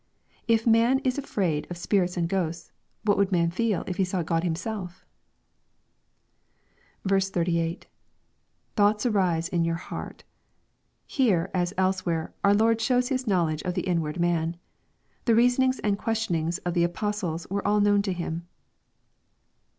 If man is afraid of spirits and ghosts, what would man feel if he saw Grod Himself ? 38. — [Thoiights arise in your hearts.] Here, as elsewhere, our Lord shows His knowledge of the inward man. The reasonings and questionings of the apostles were all known to Him.